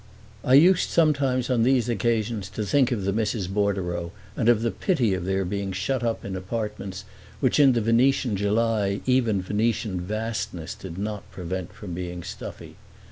I used sometimes on these occasions to think of the Misses Bordereau and of the pity of their being shut up in apartments which in the Venetian July even Venetian vastness did not prevent from being stuffy.